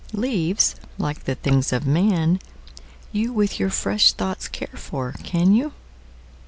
Leáves, líke the things of man, youWith your fresh thoughts care for, can you?